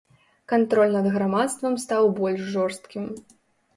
Кантроль над грамадствам стаў больш жорсткім.